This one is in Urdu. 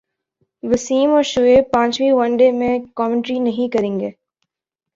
وسیم اور شعیب پانچویں ون ڈے میں کمنٹری نہیں کریں گے